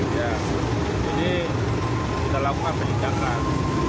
jadi kita lakukan perhijakan